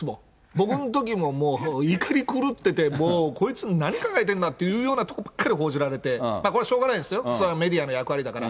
僕のときももう怒り狂ってて、もうこいつ何考えてんだっていうようなところばっかり報じられて、これ、しょうがないですよ、それはメディアの役割だから。